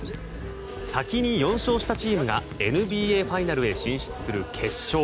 先に４勝したチームがＮＢＡファイナルへ進出する決勝。